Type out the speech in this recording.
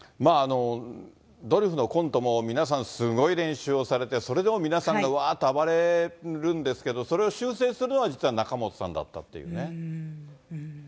ドリフのコントも皆さん、すごい練習をされて、それでも皆さんがわーっと暴れるんですけど、それを修正するのが実は仲本さんだったっていうね。